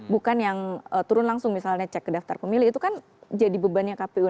bukan yang turun langsung misalnya cek ke daftar pemilih itu kan jadi bebannya kpu